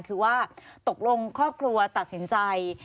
คือว่าตกลงครอบครัวตัดสินใจ